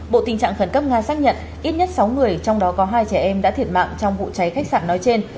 bộ tình trạng khẩn cấp nga xác nhận ít nhất sáu người trong đó có hai trẻ em đã thiệt mạng trong vụ cháy khách sạn nói trên